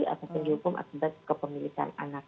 atau pendukung akibat kepemilikan anak